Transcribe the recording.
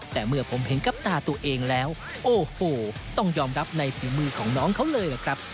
แต่เมื่อผมเห็นกับตาตัวเองแล้วโอ้โหต้องยอมรับในฝีมือของน้องเขาเลยล่ะครับ